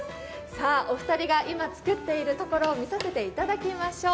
お二人が今作っているところを見させていただきましょう。